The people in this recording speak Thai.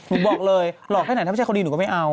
หมูบอกเลยหลอกให้หน่าถ้าไม่ใช่คนนี้หนึ่งก็ไม่เอา